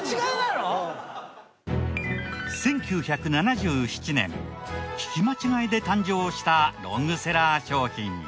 １９７７年聞き間違えで誕生したロングセラー商品。